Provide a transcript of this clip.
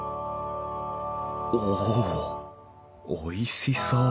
おおっおいしそう！